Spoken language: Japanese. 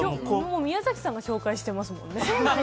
宮崎さんが紹介していますもんね。